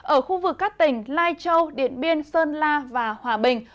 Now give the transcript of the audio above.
ở khu vực các tỉnh lai châu điện biên sơn la và hòa bình